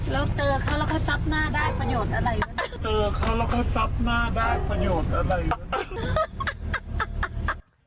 แล้วเจอเขาแล้วเขาซับหน้าได้ประโยชน์อะไรไหมเจอเขาแล้วก็ซับหน้าได้ประโยชน์อะไรอย่างนี้